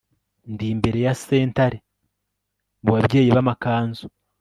ndi imbere ya sentare, mu babyeyi b'amakanzu